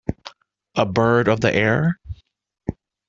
A bird of the air?